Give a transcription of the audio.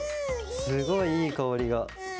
すごいいいかおりが。